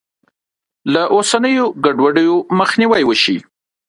له اوسنیو ګډوډیو مخنیوی وشي.